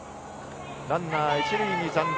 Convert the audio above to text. ランナー１塁に残塁。